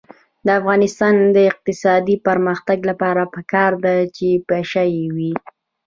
د افغانستان د اقتصادي پرمختګ لپاره پکار ده چې پشه یي وي.